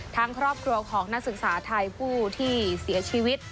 ครอบครัวของนักศึกษาไทยผู้ที่เสียชีวิต